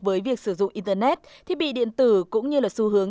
với việc sử dụng internet thiết bị điện tử cũng như là xu hướng